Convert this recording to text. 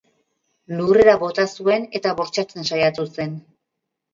Lurrera bota zuen eta bortxatzen saiatu zen.